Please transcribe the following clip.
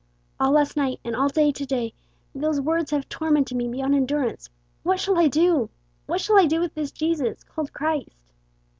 All last night, and all day to day those words have tormented me beyond endurance, 'What shall I do? What shall I do with this Jesus called Christ!'"